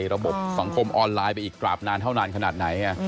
ระบบสังคมออนไลน์ไปอีกกราบนานเท่านานขนาดไหน